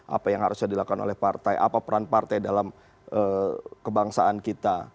apa yang harusnya dilakukan oleh partai apa peran partai dalam kebangsaan kita